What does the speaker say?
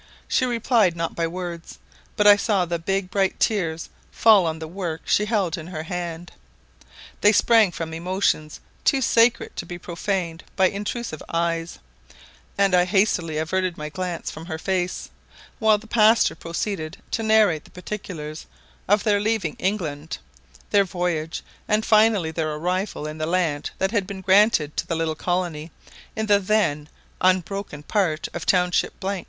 She replied not by words, but I saw the big bright tears fall on the work she held in her hand. They sprang from emotions too sacred to be profaned by intrusive eyes, and I hastily averted my glance from her face; while the pastor proceeded to narrate the particulars of their leaving England, their voyage, and finally, their arrival in the land that had been granted to the little colony in the then unbroken part of the township of